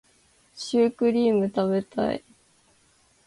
シュークリーム食べたい